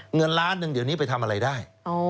เงินล้านหนึ่งเดี๋ยวนี้ไปทำอะไรได้